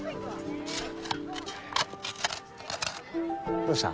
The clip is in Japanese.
どうした？